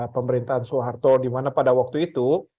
pemerintahan soeharto dimana pada waktu itu